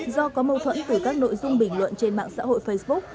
do có mâu thuẫn từ các nội dung bình luận trên mạng xã hội facebook